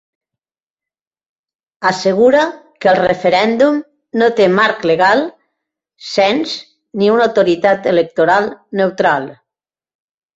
Assegura que el referèndum no té marc legal, cens ni una autoritat electoral neutral.